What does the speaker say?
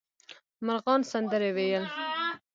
مرغان سندرې ویل.